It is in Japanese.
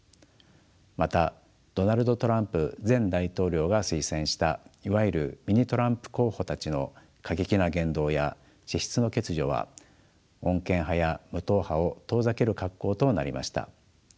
またドナルド・トランプ前大統領が推薦したいわゆる「ミニ・トランプ」候補たちの過激な言動や資質の欠如は穏健派や無党派を遠ざける格好となりました。